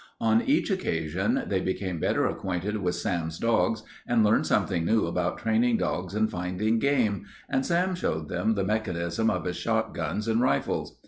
On each occasion they became better acquainted with Sam's dogs and learned something new about training dogs and finding game, and Sam showed them the mechanism of his shotguns and rifles.